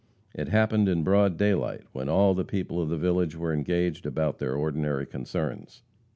It happened in broad daylight, when all the people of the village were engaged about their ordinary concerns.